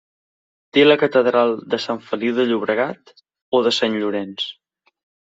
Té la Catedral de Sant Feliu de Llobregat o de Sant Llorenç.